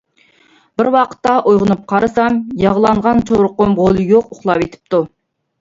بىر ۋاقتىدا ئويغىنىپ قارىسام، ياغلانغان چورۇقۇم غولى يوق ئۇخلاۋېتىپتۇ.